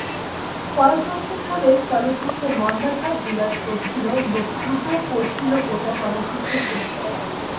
কয়েক বছর ধরে চলচ্চিত্রে মন্দাভাব বিরাজ করছিল, মুখ থুবড়ে পড়েছিল গোটা চলচ্চিত্রশিল্প।